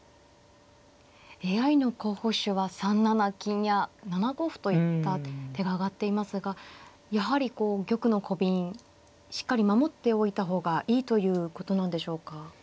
ＡＩの候補手は３七金や７五歩といった手が挙がっていますがやはりこう玉のコビンしっかり守っておいた方がいいということなんでしょうか。